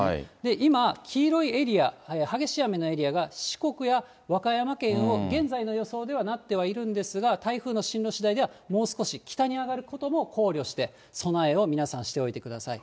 今、黄色いエリア、激しい雨のエリアが四国や和歌山県、現在の予想ではなってはいるんですが、台風の進路しだいではもう少し北に上がることも考慮して、備えを皆さん、しておいてください。